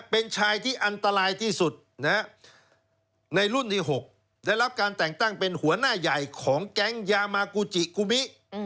เป็นชายที่อันตรายที่สุดในรุ่นที่๖ได้รับการแต่งตั้งเป็นหัวหน้าใหญ่ของแก๊งยามากูจิกุมิ